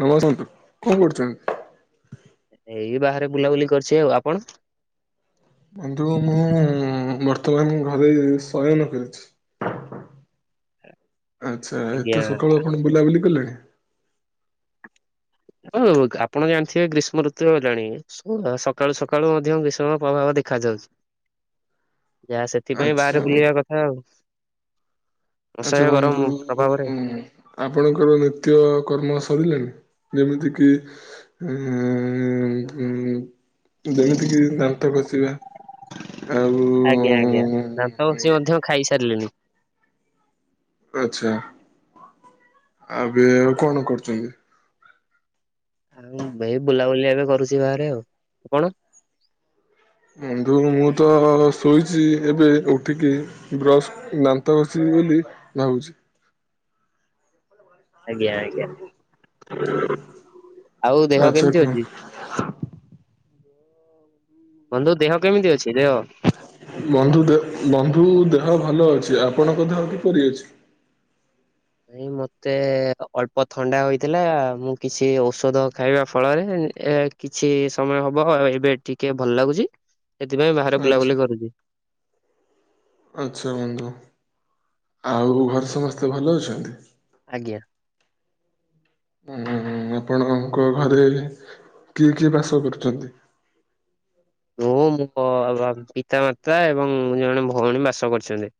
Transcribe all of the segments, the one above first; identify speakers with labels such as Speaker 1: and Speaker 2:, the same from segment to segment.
Speaker 1: ନ ଆସନ୍ତୁ କଣ କରୁଛନ୍ତି?
Speaker 2: ଏଇ ବାହାରେ ବୁଲାବୁଲି କରିଛି ଆଉ ଆପଣ?
Speaker 1: କିନ୍ତୁ ମୁଁ ବର୍ତ୍ତମାନ ଘରେ ଶୟନ କରିଛି।
Speaker 2: [inaudible]
Speaker 1: ଆଚ୍ଛା
Speaker 2: ଆଜ୍ଞା
Speaker 1: ଏତେ ସକାଳୁ ଆପଣ ବୁଲାବୁଲି କଲେଣି?
Speaker 2: ହଁ ଆପଣ ଜାଣିଥିବେ ଗ୍ରୀଷ୍ମ ଋତୁ ଆଇଲାଣି। ସକାଳୁ ସକାଳୁ ମଧ୍ୟ ଗ୍ରୀଷ୍ମର ପ୍ରଭାବ ଦେଖାଯାଉଛି। ଯାହା ସେଥିପାଇଁ
Speaker 1: ଆଚ୍ଛା
Speaker 2: ବାହାରେ
Speaker 1: ବନ୍ଧୁ।
Speaker 2: ବୁଲିବା କଥା ଆଉ।
Speaker 1: ଆଚ୍ଛା
Speaker 2: ଅସହ୍ୟ
Speaker 1: ବନ୍ଧୁ
Speaker 2: ଗରମ
Speaker 1: ଉ
Speaker 2: ପ୍ରଭାବରେ
Speaker 1: ଆପଣଙ୍କର ନିତ୍ୟ କର୍ମ ସରିଲାଣିି? ଯେମିତି କିି ଉଁ ଯେମିତି କିି ଦାନ୍ତ ଘଷିବା ଆଉ
Speaker 2: ଆଜ୍ଞା ଆଜ୍ଞା ଦାନ୍ତ ଘଷି ମଧ୍ୟ ଖାଇସାରିଲେଣିି।
Speaker 1: ଆଚ୍ଛା ଏବେ ଆଉ କଣ କରୁଚନ୍ତି?
Speaker 2: ଏଇ ବୁଲାବୁଲି ଏବେ କରୁଛି ବାହାରେ ଆଉ। କଣ?
Speaker 1: ବନ୍ଧୁ ମୁଁ ତ ଶୋଇଛି ଏବେ ଉଠିକି ବ୍ରଶ ଦାନ୍ତ ଘଷି ବିଲି ଭାବୁଛି।
Speaker 2: ଆଜ୍ଞା ଆଜ୍ଞା। ଆଉ ଦେହ
Speaker 1: ଆଚ୍ଛା
Speaker 2: କେମତି
Speaker 1: କୁହ
Speaker 2: ଅଛି? ବନ୍ଧୁ ଦେହ କେମିତି ଅଛି? ଦେହ?
Speaker 1: ବନ୍ଧୁ ଦେ ବନ୍ଧୁ ଦେ ଦେହ ଭଲ ଅଛି ଆପଣଙ୍କ ଦେହ କିପରି ଅଛି?
Speaker 2: ନାଇଁ ମତେ ଅଳ୍ପ ଥଣ୍ଡା ହୋଇଥିଲା ମୁଁ କିଛି ଔଷଧ ଖାଇବା ଫଳରେ ଏ କିଛି ସମୟ ହବ ଏବେ ଟିକେ ଭଲ ଲାଗୁଚି ସେଥିପାଇଁ ବାହାରେ
Speaker 1: ଆଚ୍ଛା
Speaker 2: ବୁଲାବୁଲି କରୁଚି।
Speaker 1: ଆଚ୍ଛା ବନ୍ଧୁ। ଆଉ ଘରେ ସମସ୍ତେ ଭଲ ଅଛନ୍ତି?
Speaker 2: ଆଜ୍ଞା।
Speaker 1: ହୁଁ- ହୁଁ- ହୁଁ। ଆପଣଙ୍କ ଘରେ କିଏ କିଏ ବାସ କରୁଚନ୍ତି?
Speaker 2: ମୁଁ ଏବଂ ପିତା ମାତା ଏବଂ ଜଣେ ଭଉଣୀ ବାସ କରିଛନ୍ତି।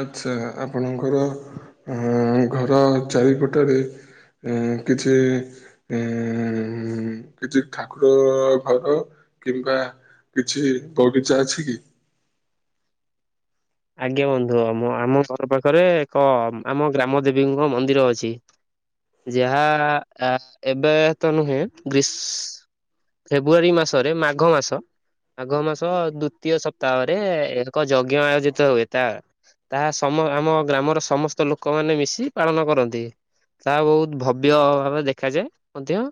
Speaker 1: ଆଚ୍ଛା ଆପଣଙ୍କର ଉଁ ଘର ଚାରିପଟରେ ଉଁ କିଛି ଉମ୍ କିଛି ଠାକୁର ଘର କିମ୍ବା କିଛି ବଗିଚା ଅଛି କି?
Speaker 2: ଆଜ୍ଞା ବନ୍ଧୁ। ଆମ ଆମ ଘର ପାଖରେ ଏକ ଆମ ଗ୍ରାମ ଦେବୀଙ୍କ ମନ୍ଦିର ଅଛି। ଯାହା ଏବେ ତ ନୁହେଁ ଗ୍ରୀସ୍ ଫେବୃଆରୀ ମାସରେ ମାଘ ମାସ ମାଘ ମାସ ଦୁତୀୟ ସପ୍ତାହରେ ଏକ ଯଜ୍ଞ ଆୟୋଜିତ ହୁଏ ତା ତାହା ସମ ଆମ ଗ୍ରାମର ସମସ୍ତ ଲୋକମାନେ ମିଶି ପାଳନ କରନ୍ତି। ତାହା ବହୁତ ଭବ୍ୟ ଭାବରେ ଦେଖାଯାଏ ମଧ୍ୟ।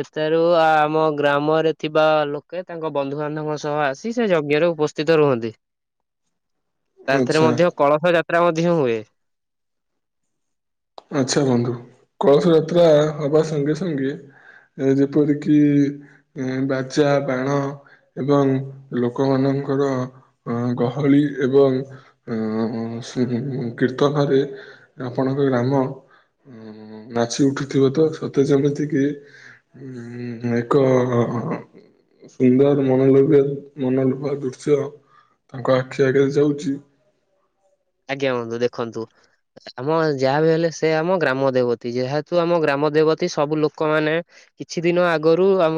Speaker 2: ସେଠାରୁ ଆମ ଗ୍ରାମରେ ଥିବା ଲୋକେ ତାଙ୍କ ବନ୍ଧୁବାନ୍ଧବଙ୍କ ସହ ଆସି ସେ ଯଜ୍ଞ ରେ ଉ ପସ୍ଥିତ ରୁହନ୍ତି। ତାଥେରେ
Speaker 1: ଆଚ୍ଛା
Speaker 2: ମଧ୍ୟ କଳସ ଯାତ୍ରା ମଧ୍ୟ ହୁଏ।
Speaker 1: ଆଚ୍ଛା ବନ୍ଧୁ କଳସ ଯାତ୍ରା ହବା ସଙ୍ଗେ ସଙ୍ଗେ ଏ ଯେପରିକି ବାଜା, ବାଣ ଏବଂ ଲୋକମାନଙ୍କର ଅ ଗହଳି ଏବଂ ଅ ସେ କୀର୍ତ୍ତନରେ ଆପଣଙ୍କ ଗ୍ରାମ ଉଁ ନାଚି ଉଠୁଥିବ ତ ସତେ ଯେମିତି କି ହୁଁ ଏକ ସୁନ୍ଦର ମନଲୋଭ୍ୟ ମନଲୋଭା ଦୃଶ୍ୟ ତାଙ୍କ ଆଖି ଆଗରେ ଯାଉଚି
Speaker 2: ଆଜ୍ଞା ବନ୍ଧୁ ଦେଖନ୍ତୁ ଆମ ଯାହା ବି ହେଲେ ସେ ଆମ ଗ୍ରାମ ଦେବତୀ, ଯେହେତୁ ଆମ ଗ୍ରାମ ଆମ ଦେବତୀ ସବୁ ଲୋକ ମାନେ କିଛି ଦିନ ଆଗରୁ ଆମ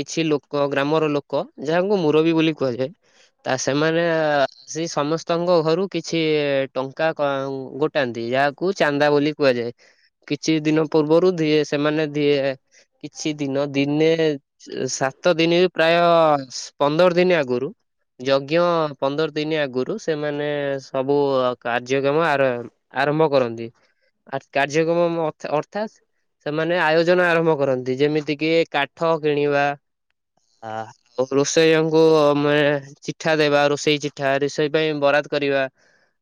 Speaker 2: କିଛି ଲୋକ ଗ୍ରାମର ଲୋକ ଯାହାଙ୍କୁ ମୁରବୀ ବୋଲି କୁହାଯାଏ, ତା ସେମାନେ ସେ ସମସ୍ତଙ୍କ ଘରୁ କିଛି ସେ ଟଙ୍କା ଗୋଟାନ୍ତି ଯାହାକୁ ଚାନ୍ଦା ବୋଲି କୁହାଯାଏ। କିଛି ଦିନ ପୂର୍ବରୁ ଦିଏ ସେମାନେ ଦିଏ କିଛି ଦିନ ଦିନେ ସେ ସା ତ ଦିନ ପ୍ରାୟ ପନ୍ଦର ଦିନ ଆଗରୁ ଯଜ୍ଞ ପନ୍ଦର ଦିନ ଆଗରୁ ସେମାନେ ସବୁ କାର୍ଯ୍ୟକ୍ରମ ଆର ଆରମ୍ଭ କରନ୍ତି। ଆ କାର୍ଯ୍ୟକ୍ରମ ଅର୍ଥାତ୍। ସେମାନେ ଆୟୋଜନ ଆରମ୍ଭ କରନ୍ତି, ଯେମିତି କିି କାଠ କିଣିବା। ଆଉ ରୋଷେଇଙ୍କୁ ଆ ଚିଠା ଦେବା, ରୋଷେଇ ଚିଠା ରୋଷେଇ ପାଇଁ ବରା କରିବା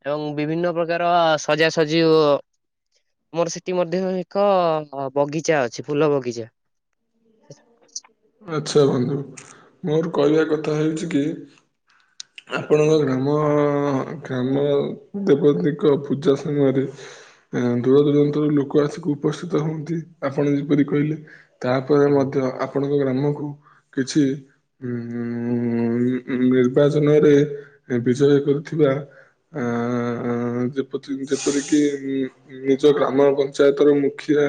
Speaker 2: ଏବଂ ବିଭିନ୍ନ ପ୍ରକାର ସଜାସଜି। ଆମର ସେଠି ମଧ୍ୟ ଏକ ବଗିଚା ଅଛି ଫୁଲ ବଗିଚା। [inaudible]
Speaker 1: ଆଚ୍ଛା ବନ୍ଧୁ ମୋର କହିବା କଥା ହେଉଛି କି। ଆପଣଙ୍କ ଗ୍ରାମ ଗ୍ରାମ ଦେବତୀଙ୍କ ପୂଜା ସମୟରେ ଦୂର ଦୂରାନ୍ତରୁ ଲୋକ ଆସିକି ଉପସ୍ଥିତ ହୁଅନ୍ତି, ଆପଣ ଯେପରି କହିଲେ। ତାପରେ
Speaker 2: ଆଜ୍ଞା।
Speaker 1: ମଧ୍ୟ ଆପଣଙ୍କ ଗ୍ରାମକୁ କିଛି ଉ ନିର୍ବାଚନରେ ବିଜୟ କରଥିବା ଆ ଯେପ ଯେପରିକି ନିଜ ଗ୍ରାମ ପଞ୍ଚାୟତର ମୁଖିଆ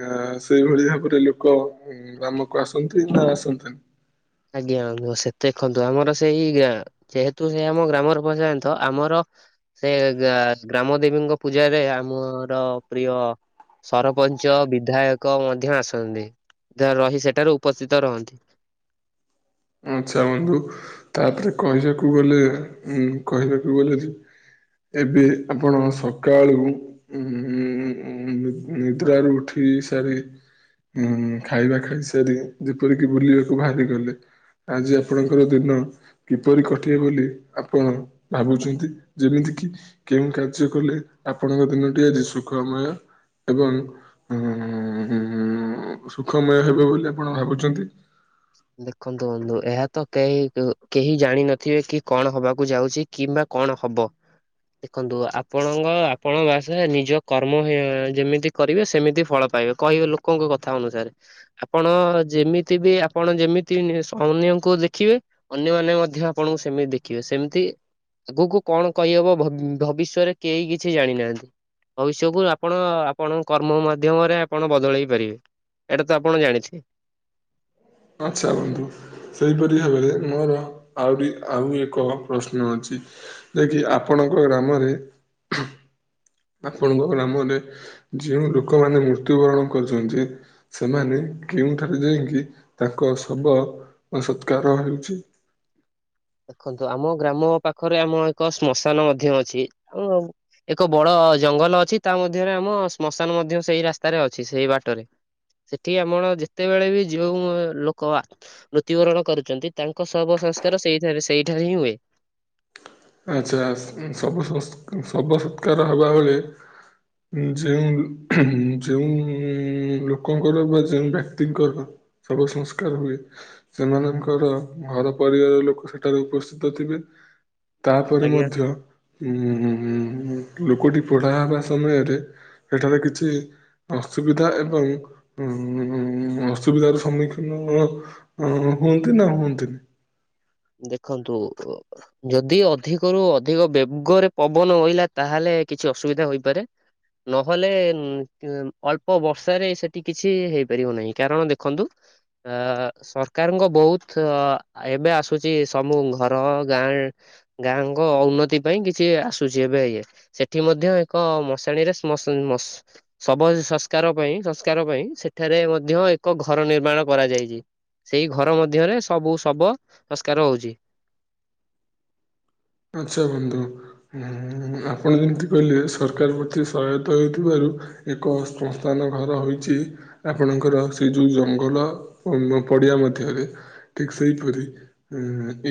Speaker 1: ଆ ସେଇଭଳି ଭାବରେ ଲୋକ ହଁ ଆମକୁ ଆସନ୍ତୁ ନା ଆସନ୍ତିନି?
Speaker 2: ଆଜ୍ଞା ସେତ ଦେଖନ୍ତୁ ଆମର ସେଇ ଯେହେତୁ ସେ ଆମ ଗ୍ରାମର ପଞ୍ଚାୟନ୍ତ ଆମର ସେ ଗ୍ରାମ ଦେବୀଙ୍କ ପୂଜାରେ ଆମର ପ୍ରିୟ ସରପଞ୍ଚ ବିଧାୟକ ମଧ୍ୟ ଆସନ୍ତି। ଯାହା ରହି ସେଠାରୁ ଉପସ୍ଥିତ ରହନ୍ତି।
Speaker 1: ଆଚ୍ଛା ବନ୍ଧୁ ତାପରେ କହିବାକୁ ଗଲେ ଉ କହିବାକୁ ଗଲେ। ଏବେ ଆପଣ ସକାଳୁ ଉ ନିଦ୍ରାରୁ ଉଠି ଇ ସାରି ଉ ଖାଇବା ଖାଇ ସାରି ଯେପରିକି ବୁଲିବାକୁ ବାହାରିଗଲେ। ଆଜି ଆପଣଙ୍କର ଦିନ କିପରି କଟିବ ବୋଲି ଆପଣ ଭାବୁଛନ୍ତି ଯେମିତି କେଉଁ କାର୍ଯ୍ୟ କଲେ ଆପଣଙ୍କ ଦିନଟି ଆଜି ସୁଖମୟ ଏବଂ ଉ ସୁଖମୟ ହେବ ବୋଲି ଆପଣ ଭାବୁଛନ୍ତି?
Speaker 2: ଦେଖନ୍ତୁ ବନ୍ଧୁ ଏହା ତ କେହି କେହି ଜାଣିିନଥିବେ କି କଣ ହବାକୁ ଯାଉଛି, କିମ୍ବା କଣ ହବ? ଦେଖନ୍ତୁ ଆପଣଙ୍କ ଆପଣ ବାସ ନିଜ କର୍ମ ଯେମିତି କରିବେ ସେମିତି ଫଳ। ପାଇବେ କହିବେ ଲୋକଙ୍କ କଥା ଅନୁସାରେ ଆପଣ ଯେମିତି ବି ଆପଣ ଯେମିତି ଅନ୍ୟଙ୍କୁ ଦେଖିବେ ଅନ୍ୟମାନେ ମଧ୍ୟ ଆପଣଙ୍କୁ ସେମିତି ଦେଖିବେ ସେମିତି। ଆଗକୁ କଣ କହିହବ ଭବିଷ୍ୟରେ କେହି କିଛି ଜାଣିନାହାନ୍ତି। ଭବଷ୍ୟକୁ ଆପଣ ଆପଣଙ୍କ କର୍ମ ମାଧ୍ୟମରେ ଆପଣ ବଦଳେଇ ପାରିବେ। ଏଇଟା ତ ଆପଣ ଜାଣିଥିବେ।
Speaker 1: [inaudible] ଆଚ୍ଛା ବନ୍ଧୁ ସେହିପରି ଭାବରେ ମୋର ଆହୁରି ଆହୁରି ଏକ ପ୍ରଶ୍ନ ଅଛି। ଯେଖି ଆପଣଙ୍କ ଗ୍ରାମରେ ଆପଣଙ୍କ ଗ୍ରାମରେ ଯେଉଁ ଲୋକମାନେ ମୃତ୍ୟୁବରଣ କରୁଛନ୍ତି ସେମାନେ କେଉଁଠାରେ ଯାଇକି ତାଙ୍କ ଶବ ସତ୍କାର ହେଉଛି।
Speaker 2: ଦେଖନ୍ତୁ ଆମ ଗ୍ରାମ ପାଖରେ ଆମ ଏକ ଶ୍ମଶାନ ମଧ୍ୟ ଅଛି, ଆ ଏକ ବଡ ଅ ଜଙ୍ଗଲ ଅଛି, ତା ମଧ୍ୟରେ ଆମ ଶ୍ମଶାନ ମଧ୍ୟ ସେଇ ରାସ୍ତାରେ ଅଛି ସେଇ ବାଟରେ ସେଠି ଆମର ଯେତେବେଳେ ବି ଯଉ ଲୋକ ମୃତ୍ୟୁବରଣ କରୁଛନ୍ତି ତାଙ୍କ ସହ ସଂସ୍କାର ସେଠ ସେଇଠାରେ ହିଁ ହୁଏ।
Speaker 1: ଆଚ୍ଛା ଶବ ଶବ ସତ୍କାର ଶବ ସତ୍କାର ହେବାବେଳେ ଯେଉଁ ଯେଉ ଲୋକଙ୍କର ବା ଯେୋଉଁ ବ୍ୟକ୍ତିଙ୍କର ସବୁ ସଂସ୍କାର ହୁଏ ସେମାନଙ୍କର ଘର ପରିବାର ଲୋକ ସେଠାରେ ଉପସ୍ଥିତ ଥିବେ। ତାପରେ
Speaker 2: ଆଜ୍ଞା
Speaker 1: ମଧ୍ୟ ହଁଁ ହଁ। ଲୋକଟି ପଢା ହେବା ସମୟରେ ସେଠାରେ କିଛି ଅସୁବିଧା ଏବଂ ଉ ଅସୁବିଧାର ସମ୍ମୁଖୀନ ହୁଅନ୍ତି ନା ହୁଅନ୍ତିନି।
Speaker 2: ଦେଖନ୍ତୁ ଯଦି ଅଧିକରୁୁ ଅଧିକ ବେଗରେ ପବନ ଓଇଲା ତାହେଲେ କିଛି କିଛି ଅସୁବିଧା ହୋଇପାରେ। ନହେଲେ ଅଳ୍ପ ବର୍ଷାରେ ସେଠି କିଛି ହେଇପାରିବ ନାହିଁ କାରଣ ଦେଖନ୍ତୁ ଅ ସରକାରଙ୍କ ବହୁତ ଅ ଏବେ ଆସ ଆସୁଛି ସବୁ ଘର ଗାଁ ଗାଁଙ୍କ ଉନ୍ନତି ପାଇଁ କିଛି ଆସୁଛି ଏବେ ଇଏ। ସେଠି ମଧ୍ୟ ଏକ ମଶାଣିରେ ଶମସ୍ ସ ଶବ ସଂସ୍କାର ପାଇଁ ସଂସ୍କାର ପାଇଁ ସେଠ ଏଠାରେ ମଧ୍ୟ ଏକ ଘର ନିର୍ମାଣ କରାଯାଇଛି। ସେଇ ଘର ମଧ୍ୟରେ ସବୁ ସବ ସଂସ୍କାର ହଉଛି। [inaudible]
Speaker 1: ଆଚ୍ଛା ବନ୍ଧୁ, ହୁ ଆପଣ ଯେମତି କହିଲେ ସରକାର ପ୍ରତି ସହାୟତା ହେଉଥିବାରୁ ଏକ ଶ୍ମଶାନ ଘର ହେଇଛି ଆପଣଙ୍କର ସେ ଯୋଉ ଜଙ୍ଗଲ ପଡ଼ିଆ ମଧ୍ୟରେ! ଠିକ୍ ସେହିପରି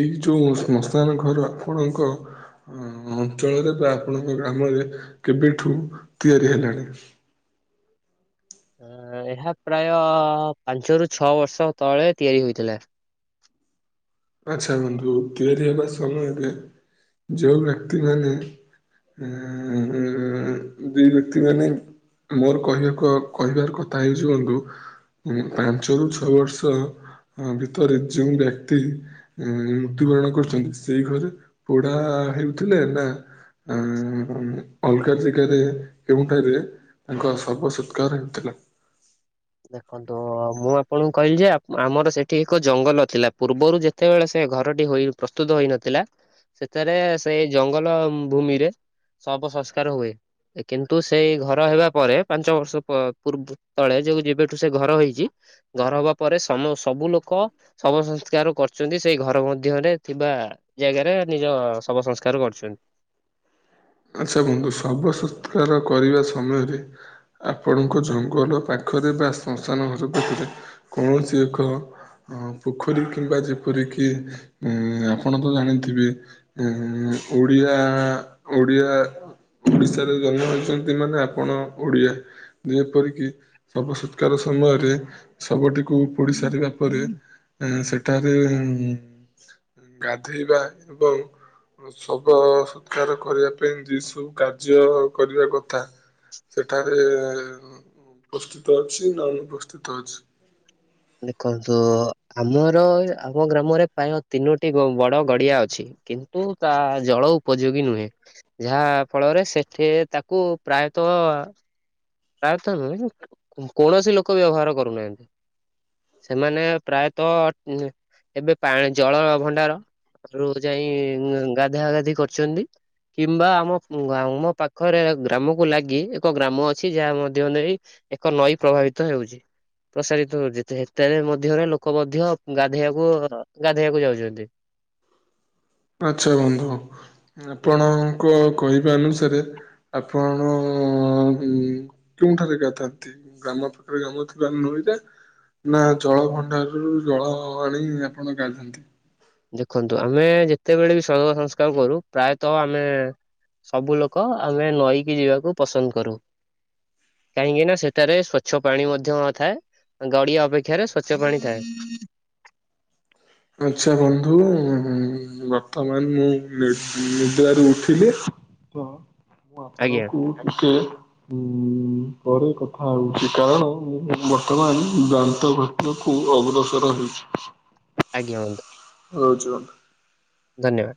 Speaker 1: ଏଇ ଯୋଉ ସମଶାନ ଘର ଆପଣଙ୍କ ଅ ଅଞ୍ଚଳରେ ବା ଆପଣଙ୍କ ଗ୍ରାମରେ କେବେଠୁ ତିଆରି ହେଲାଣି। ହୁଁ [inaudible]
Speaker 2: ଏହା ପ୍ରାୟ ପାଞ୍ଚରୁ ଛଅ ବର୍ଷ ତଳେ ତିଆରି ହୋଇଥିଲା।
Speaker 1: [inaudible] ଆଚ୍ଛା ବନ୍ଧୁ ତିଆରି ହେବା ସମୟରେ ଯୋଉ ବ୍ୟକ୍ତି ମାନେ ଅ ହ ବ୍ୟକ୍ତି ମାନେ। ମୋର କହିବାକୁ ଆଉ କହିବାର କଥା ହେଇଛି ବନ୍ଧୁ। ଉଁ ପାଞ୍ଚରୁ ଛଅ ବର୍ଷ ଅ ଭିତରେ ଯେଉଁ ବ୍ୟକ୍ତି ଉଁ ମୃତ୍ୟୁବରଣ କରୁଛନ୍ତି ସେଇ ଘରେ ପୋଢା ହେଉଥିଲେ ନା ନା ଅଲଗା ଜାଗାରେ କେଉଁଠାରେ ତାଙ୍କଉ ଶବ ସତ୍କାର ହେଉଥିଲା।
Speaker 2: ଦେଖନ୍ତୁ ମୁଁ ଆପଣଙ୍କୁ କହିଲି ଯେ ଆମର ସେଠି ଏକ ଜଙ୍ଗଲ ଥିଲା। ପୂର୍ବରୁ ଯେତେବେଳେ ସେ ଘରଟି ହୋଇ ପ୍ରସ୍ତୁତ ହୋଇନଥିଲା! ସେଥିରେ ସେଇ ଜଙ୍ଗଲ ଭୂମିରେ ଶବ ସଂସ୍କାର ହୁଏ। କିନ୍ତୁ ସେଇ ଘର ହେବା ପରେ ପାଞ୍ଚ ବର୍ଷ ପ ପୂର୍ବ ତଳେ ଯ ଯ ବେଠୁ ସେ ଘର ହେଇଛି! ଘର ହବା ପରେ ସମ ସବୁ ଲୋକ ଶବ ସଂସ୍କାର କରୁଛନ୍ତି ।ସେଇ ଘର ମଧ୍ୟରେ ଥିବା ଜାଗାରେ ନିଜ ଶବ ସଂସ୍କାର କରୁଛନ୍ତି।
Speaker 1: ଆଛା ବନ୍ଧୁ ଶବ ସତ୍କାର କରିବା ସମୟରେ ଆପଣଙ୍କ ଜଙ୍ଗଲ ପାଖରେ ବା ଶ୍ମଶାନ ଘର ପାଖରେ କୌଣସି ଏକ ହ ପୋଖରୀ କିମ୍ବା ଯେପର କିି ଉ ଆପଣ ତ ଜାଣିଥିବେ ଉ ଓଡ଼ିଆ ଓଡ଼ିଆ ଓଡିଶାରେ ଜନ୍ମ ହେଇଛନ୍ତି ମାନେ ଆପଣ ଓଡିଆ। ଯେପରିକି ଶବ ସତ୍କାର ସମୟରେ ଶବଟିକୁ ପୋଡ଼ି ସାରିବା ପରେ। ଉଁ ସେଠାରେ ଉଁ ଗାଧୋଇବା ଏବଂ ସବ ସତ୍କାର କରିବା ପାଇଁ ଯ ସବୁ କାର୍ଯ୍ୟ କରିବା କଥା। ସେଠାରେ ଉପସ୍ଥିତ ଅଛି ନା ଅନୁପସ୍ଥିତ ଅଛି।
Speaker 2: ଦେଖନ୍ତୁ ଆମର ଆମ ଗ୍ରାମରେ ପ୍ରାୟ ତିନୋଟି ବ ବଡ ଗଡିଆ ଅଛି। କିନ୍ତୁ ତା ଜଳ ଉପଯୋଗୀ ନୁହେଁ। ଯାହା ଫଳରେ ସେଠି ତାକୁ ପ୍ରାୟ ତ ପ୍ରାୟତ ନୁହେଁ କୌଣସି ଲୋକ ବ୍ୟବହାର କରୁନାହାନ୍ତି। ସେମାନେ ପ୍ରାୟତଃ ଏବେ ପାଣି ଜଳ ଭଣ୍ଡାର ରୁ ଯାଇ ଗାଧା ଗାଧି କରୁଛନ୍ତି। କିମ୍ବା ଆମ ଆମ ପାଖରେ ଗ୍ରାମକୁ ଲାଗି ଏକ ଗ୍ରାମ ଅଛି। ଅଛି ଯାହା ମଧ୍ୟ ଦେଇ ଏକ ନଈ ପ୍ରଭାବିତ ହେଉଛି। ପ୍ରସାରିତ ହଉଛି ସେତେରେ ମଧ୍ୟରେ ଲୋକ ମଧ୍ୟ ଗାଧେଇବାକୁ ଗାଧେଇବାକୁ ଯାଉଛନ୍ତି।
Speaker 1: ଆଛା ବନ୍ଧୁ ଆପଣଙ୍କ କହିବା ଅନୁସାରେ ଆପଣ ଉ କୋଉଠାରେ ଗାଧାନ୍ତି ଗ୍ରାମ ପାଖରେ ଗ୍ରାମରେ ଥିବା ନଈ। ଏ ନା ଜଳ ଭଣ୍ଡାରରୁ ଜଳ ଆଣି ଆପଣ ଗାଧାନ୍ତି।
Speaker 2: ଦେଖନ୍ତୁ ଆମେ ଯେତେବେଳେ ବି ଶବ ସଂସ୍କାର କରୁ, ପ୍ରାୟତଃ ଆମେ ସବୁ ଲୋକ ଆମେ ନଈକି ଯିବାକୁ ପସନ୍ଦ କରୁ। କାହିଁକି ନା ସେଠାରେ ସ୍ଵଚ୍ଛ ପାଣି ମଧ୍ୟ ଥାଏ। ଗଡିଆ ଅପେକ୍ଷାରେ ସ୍ଵଚ୍ଛ ପାଣି ଥାଏ ।
Speaker 1: ହ [inaudible] ଆଛା ବନ୍ଧୁ ବର୍ତ୍ତମାନ ମୁଁ ନିଦୟାରୁ ଉଠିଲି। ତ ମୁଁ
Speaker 2: ଆଜ୍ଞା
Speaker 1: ଆପଣଙ୍କୁ କି ସେ ହଁ ପରେ କଥା ହଉଛି କାରଣ ମୁଁ ବର୍ତ୍ତମାନ ଦାନ୍ତ ଘଟ କୁ ଅଗ୍ରସର ହେଉଛି।
Speaker 2: ଆଜ୍ଞା ହନ୍ତୁ।
Speaker 1: ରହୁଛୁ।
Speaker 2: ଧନ୍ୟବାଦ।